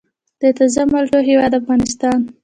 د تازه مالټو هیواد افغانستان.